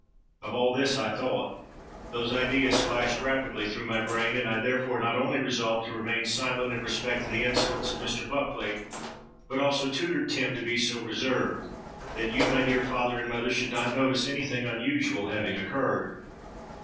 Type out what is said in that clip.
Of all this I thought: those ideas flashed rapidly through my brain;—and I therefore not only resolved to remain silent in respect to the insolence of Mr. Bulkeley, but also tutored Tim to be so reserved, that you, my dear father and mother, should not notice any thing unusual having occurred.